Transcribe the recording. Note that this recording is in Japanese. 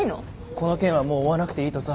この件はもう追わなくていいとさ。